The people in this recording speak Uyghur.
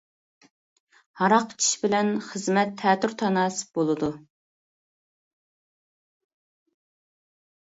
ھاراق ئىچىش بىلەن خىزمەت تەتۈر تاناسىپ بولىدۇ.